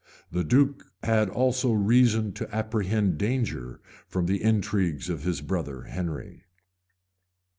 The duke had also reason to apprehend danger from the intrigues of his brother Henry.